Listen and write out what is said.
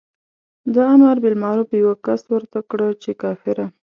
د امر بالمعروف یوه کس ورته کړه چې کافره.